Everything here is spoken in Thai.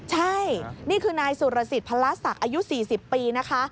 ใช่นี่คือนายสุรสิทธิพละศักดิ์อายุ๔๐ปีนะคะ